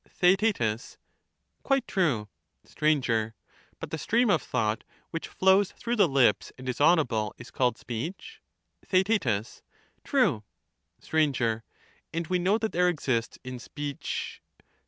Theaet. Quite true. Str. But the stream of thought which flows through the lips and is audible is called speech ? Theaet. True. Str. And we know that there exists in speech